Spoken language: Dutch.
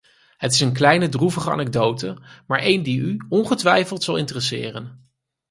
Het is een kleine droevige anekdote, maar een die u ongetwijfeld zal interesseren.